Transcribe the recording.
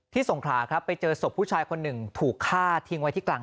สงขลาครับไปเจอศพผู้ชายคนหนึ่งถูกฆ่าทิ้งไว้ที่กลาง